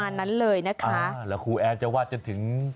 แล้วครูแอนจะวาดจะถึงไหนละครับ